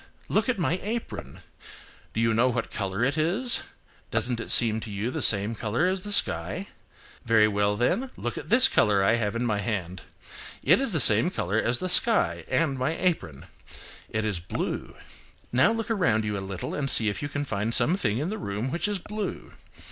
Look at my apron. Do you know what colour it is? Doesn't it seem to you the same colour as the sky? Very well then, look at this colour I have in my hand. It is the same colour as the sky and my apron. It is blue. Now look around you a little and see if you can find some thing in the room which is blue.